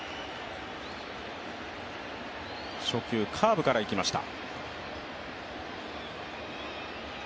初球、カーブからいきました